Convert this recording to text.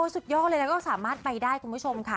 สุดยอดเลยนะก็สามารถไปได้คุณผู้ชมค่ะ